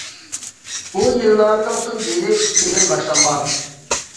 بۇ يىل نامىنىڭ تۇنجى يىلى ئىت يىلىدىن باشلانغان.